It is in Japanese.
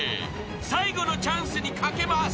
［最後のチャンスに懸けます］